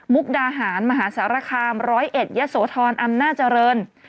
มุกดาหารมหาศาลคามร้อยเอ็ดยะโสธรอำนาจริย์